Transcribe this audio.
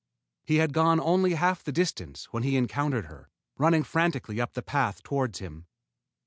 He had gone only half the distance when he encountered her, running frantically up the path toward him.